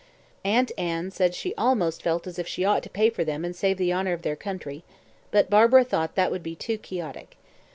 Aunt Anne said she almost felt as if she ought to pay for them and save the honour of their country, but Barbara thought that would be too quixotic.